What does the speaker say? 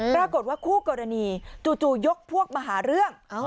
ปรากฏว่าคู่กรณีจู่ยกพวกมาหาเรื่อง